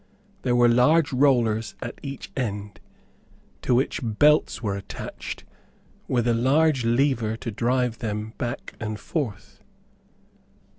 There were large rollers at each end, to which belts were attached, with a large lever to drive them back and forth.